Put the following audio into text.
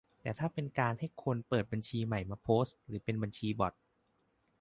แต่ถ้าเป็นการให้คนเปิดบัญชีใหม่มาโพสต์ หรือเป็นบัญชีบอต